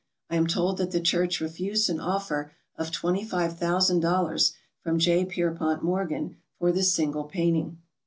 I am told that the church refused an offer of twenty five thousand dollars from J. Pierpont Morgan for this single painting.